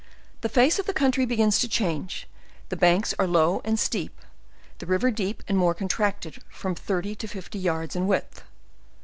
The face of the country begins to change; the banks are low and steep; the river deep and more contracted, from thirty to fifty yards in width.